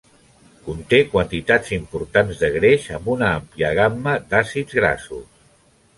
Conté quantitats importants de greix amb una àmplia gamma d'àcids grassos.